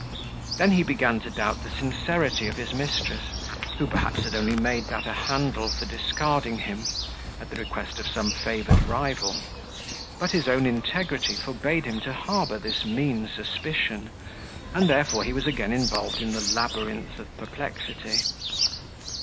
Then he began to doubt the sincerity of his mistress, who perhaps had only made that a handle for discarding him, at the request of some favoured rival; but his own integrity forbade him to harbour this mean suspicion; and therefore he was again involved in the labyrinth of perplexity.